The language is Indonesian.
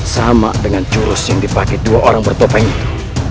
sama dengan jurus yang dipakai dua orang bertopeng itu